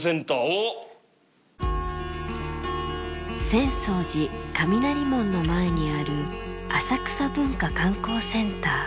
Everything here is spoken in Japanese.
浅草寺雷門の前にある浅草文化観光センター。